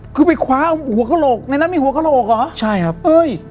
คือไปคว้าหัวกระโหลกในนั้นมีหัวกระโหลกเหรอใช่ครับเอ้ย